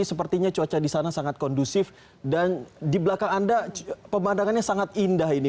sepertinya cuaca di sana sangat kondusif dan di belakang anda pemandangannya sangat indah ini